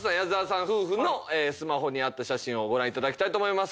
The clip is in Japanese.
夫婦のスマホにあった写真をご覧いただきたいと思います。